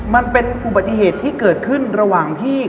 มันเป็นอุบัติเหตุที่เกิดขึ้นระหว่างที่